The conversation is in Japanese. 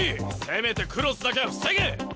せめてクロスだけは防げ！